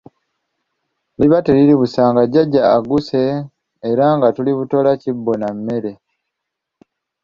Liba teriri busa, nga Jjajja agguse era nga tuli butoola kibbo na mmere.